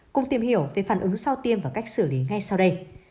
cùng tìm hiểu về phản ứng sau tiêm và cách xử lý ngay sau đây